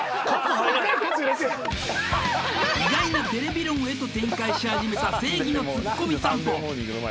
意外なテレビ論へと展開し始めた正義のツッコミ散歩